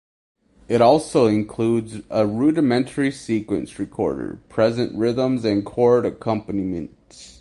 It also includes a rudimentary sequence recorder, preset rhythms and chord accompaniment.